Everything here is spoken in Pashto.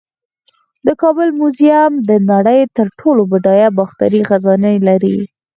د کابل میوزیم د نړۍ تر ټولو بډایه باختري خزانې لري